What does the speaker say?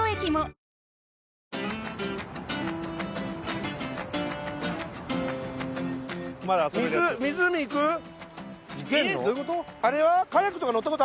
・えっどういうこと？